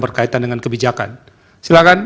berkaitan dengan kebijakan silakan